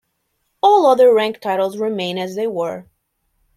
All other ranks titles remain as they were.